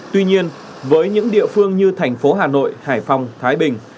tuy nhiên với những địa phương như thành phố hà nội hải phòng thái bình